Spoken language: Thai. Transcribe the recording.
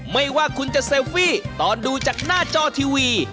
ไม่ว่าคุณจะเซลฟี่ตอนดูจากหน้าจอทีวี